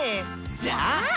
じゃあ。